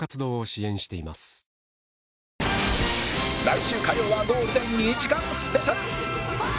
来週火曜はゴールデン２時間スペシャル